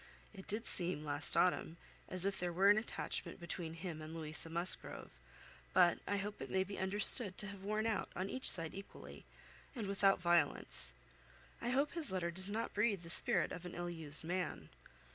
It did seem, last autumn, as if there were an attachment between him and Louisa Musgrove; but I hope it may be understood to have worn out on each side equally, and without violence. I hope his letter does not breathe the spirit of an ill used man."